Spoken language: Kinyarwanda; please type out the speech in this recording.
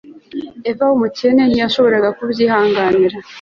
Eva wumukene ntiyashoboraga kubyihanganira